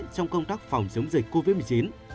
trong công tác phòng chống dịch covid một mươi chín